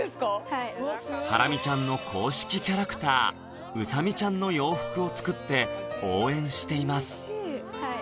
はいハラミちゃんの公式キャラクターウサミちゃんの洋服を作って応援しています